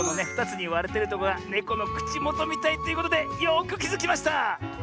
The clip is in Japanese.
２つにわれてるとこがネコのくちもとみたいということでよくきづきました！